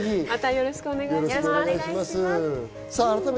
よろしくお願いします。